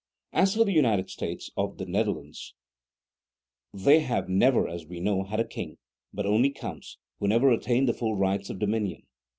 As for the United States of the Netherlands, they have never, as we know, had a king, but only counts, who never attained the full rights of dominion.